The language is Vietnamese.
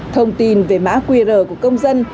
thông tin về mã qr của công dân